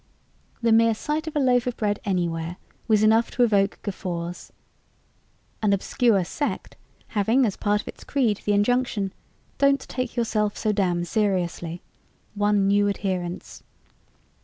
The mere sight of a loaf of bread anywhere was enough to evoke guffaws. An obscure sect, having as part of its creed the injunction "Don't take yourself so damn seriously," won new adherents.